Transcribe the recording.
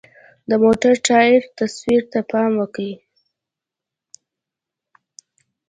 د موټر د ټایر تصویرو ته پام وکړئ.